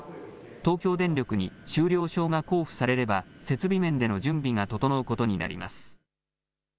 東京電力に終了証が交付されれば、設備面での準備が整うことになります。